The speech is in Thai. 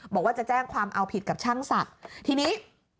บอกว่าจะแจ้งความเอาผิดกับช่างศักดิ์ทีนี้